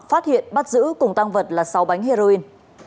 phát hiện bắt giữ cùng tăng vật là sáu bánh heroin